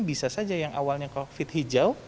bisa saja yang awalnya covid hijau